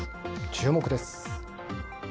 注目です。